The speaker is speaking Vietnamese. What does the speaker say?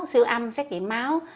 siêu âm xét nghiệm máu